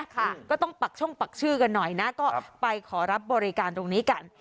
ก็ต้องปักช่องปักชื่อกันหน่อยนะก็ไปขอรับบริการตรงนี้กัน